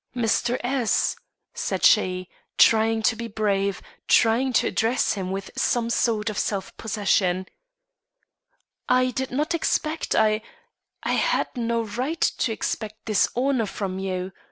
"Mr. S ," said she, trying to be brave, trying to address him with some sort of self possession, "I did not expect I had no right to expect this honor from you.